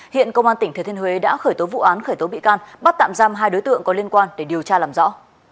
hiện công an tỉnh thừa thiên huế đã khởi tố vụ án khởi tố bị can bắt tạm giam hai đối tượng có liên quan để điều tra làm rõ